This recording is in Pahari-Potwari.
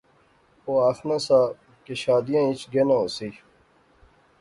اوہ آخنا سا کہ شادیاں اچ گینا ہوسی